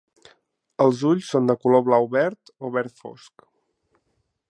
Els ulls són de color blau verd o verd fosc.